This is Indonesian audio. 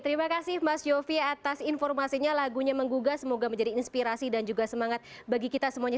terima kasih mas yofi atas informasinya lagunya menggugah semoga menjadi inspirasi dan juga semangat bagi kita semuanya